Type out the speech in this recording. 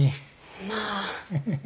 まあ。